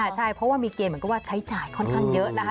ใช่เพราะว่ามีเกณฑ์เหมือนกับว่าใช้จ่ายค่อนข้างเยอะนะคะ